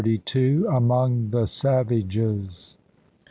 AMONG THE SAVAGES.